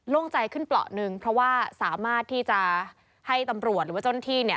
่งใจขึ้นเปราะหนึ่งเพราะว่าสามารถที่จะให้ตำรวจหรือว่าเจ้าหน้าที่เนี่ย